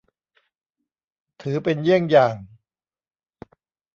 ถือเป็นเยี่ยงอย่าง